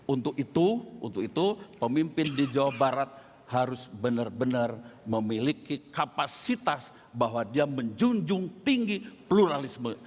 untuk itu untuk itu pemimpin di jawa barat harus benar benar memiliki kapasitas bahwa dia menjunjung tinggi pluralisme